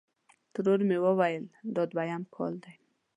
ترور مې ویل: دا دویم کال دی.